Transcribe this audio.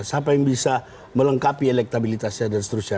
siapa yang bisa melengkapi elektabilitasnya dan seterusnya